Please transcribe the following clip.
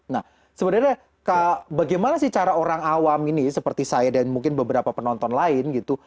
nah sebenarnya bagaimana sih cara orang awam ini seperti saya dan mungkin beberapa penonton lain gitu